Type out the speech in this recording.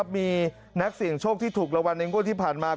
มีนักเสี่ยงโชคที่ถูกรางวัลในงวดที่ผ่านมา